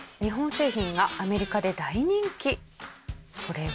それは。